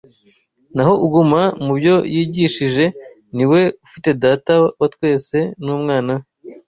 naho uguma mu byo yigishije ni we ufite Data wa twese n’Umwana we